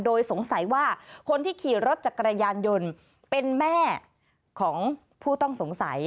โดยสงสัยว่าคนที่ขี่รถจักรยานยนต์เป็นแม่ของผู้ต้องสงสัย